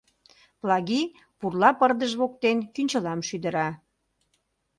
Плаги пурла пырдыж воктен кӱнчылам шӱдыра.